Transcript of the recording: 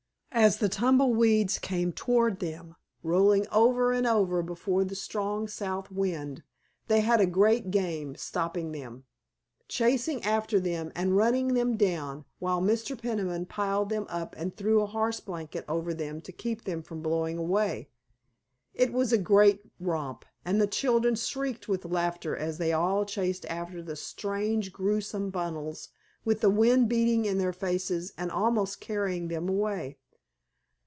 As the tumble weeds came toward them, rolling over and over before the strong south wind, they had a great game, stopping them, chasing after them and running them down, while Mr. Peniman piled them up and threw a horse blanket over them to keep them from blowing away. It was a great romp, and the children shrieked with laughter as they all chased after the strange, grotesque bundles, with the wind beating in their faces and almost carrying them away.